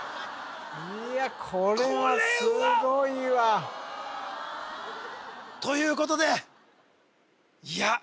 いやこれはすごいわこれはということでいや